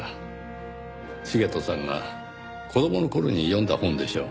茂斗さんが子供の頃に読んだ本でしょう。